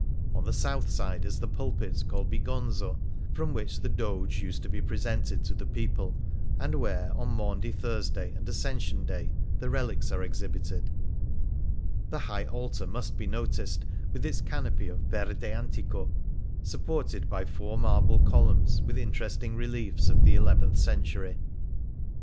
On the south side is the pulpit called " Bigonzo,"" *from which the Doge used to be presented to the people, and where, on Maundy Thursday and Ascension Day, the relics are exhibited. * Macigno is a hard limestone. 65 E Things Seen in Venice The High Altar must be noticed, with its canopy of verde antico, supported by four marble columns with interesting reliefs of the eleventh century.